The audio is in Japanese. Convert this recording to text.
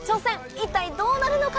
一体どうなるのか？